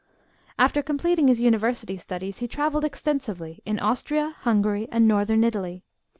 After completing his university studies he traveled extensively in Austria, Hungary, and Northern Italy.